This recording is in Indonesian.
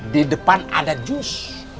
di depan ada jus